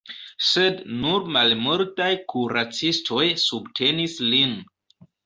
Sed nur malmultaj kuracistoj subtenis lin.